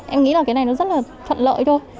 em nghĩ là cái này nó rất là thuận lợi thôi